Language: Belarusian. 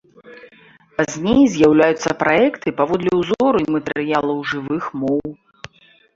Пазней з'яўляюцца праекты паводле ўзору і матэрыялаў жывых моў.